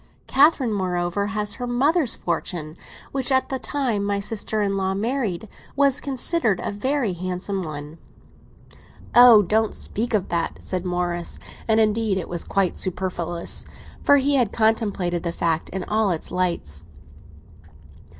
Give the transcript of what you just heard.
Catherine, moreover, has her mother's fortune, which, at the time my sister in law married, was considered a very handsome one." "Oh, don't speak of that!" said Morris; and, indeed, it was quite superfluous, for he had contemplated the fact in all its lights.